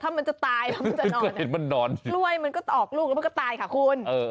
ถ้ามันจะตายแล้วมันจะนอนกล้วยมันก็ตอกลูกแล้วมันก็ตายค่ะคุณ